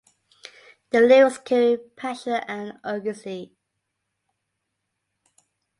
The lyrics carry passion and urgency.